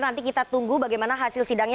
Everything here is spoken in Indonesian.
nanti kita tunggu bagaimana hasil sidangnya